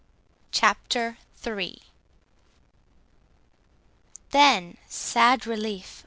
CHAPTER III Then (sad relief!)